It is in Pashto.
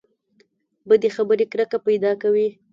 بدې خبرې کرکه پیدا کوي.